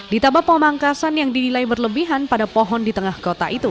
ditambah pemangkasan yang dinilai berlebihan pada pohon di tengah kota itu